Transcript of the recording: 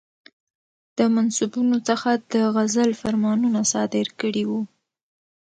د منصبونو څخه د عزل فرمانونه صادر کړي ؤ